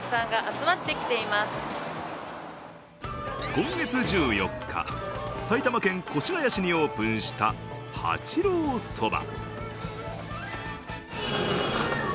今月１４日、埼玉県越谷市にオープンした八郎そば。